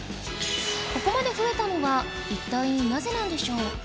ここまで増えたのは一体なぜなんでしょう？